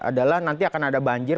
adalah nanti akan ada banjir